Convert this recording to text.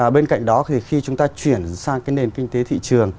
bên cạnh đó thì khi chúng ta chuyển sang cái nền kinh tế thị trường